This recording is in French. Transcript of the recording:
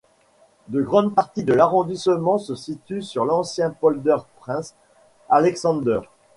De grandes parties de l'arrondissement se situent sur l'ancien polder Prins Alexander.